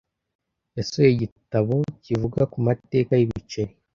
yasohoye igitabo kivuga ku mateka y'ibiceri.